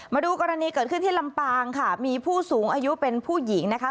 มาดูกรณีเกิดขึ้นที่ลำปางค่ะมีผู้สูงอายุเป็นผู้หญิงนะคะ